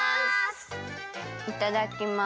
いただきます。